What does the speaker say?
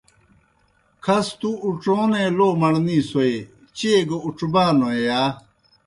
کھس تُوْ اُڇونے لو مڑنےسوئے، چیئے گہ اُڇبانوئے یا؟